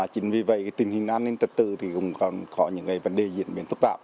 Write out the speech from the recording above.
chính vì vậy tình hình an ninh trật tự thì cũng còn có những vấn đề diễn tự